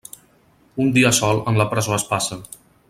Un dia sol, en la presó es passa.